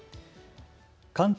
関東